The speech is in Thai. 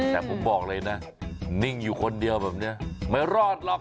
แต่ผมบอกเลยนะนิ่งอยู่คนเดียวแบบนี้ไม่รอดหรอก